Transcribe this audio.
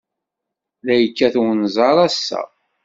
La yekkat unẓar, ass-a.